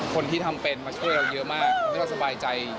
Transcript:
คนที่ทำเป็นมาช่วยเราเยอะมากทำให้เราสบายใจ